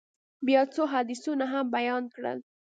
بيا يې څو حديثونه هم بيان کړل.